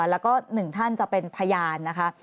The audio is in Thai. แล้วก็หนึ่งท่านจะเป็นพยานนะคะ